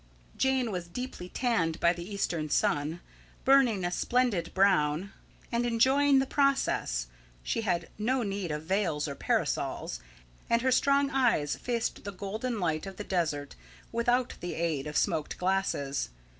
Jane was deeply tanned by the Eastern sun. Burning a splendid brown, and enjoying the process, she had no need of veils or parasols; and her strong eyes faced the golden light of the desert without the aid of smoked glasses.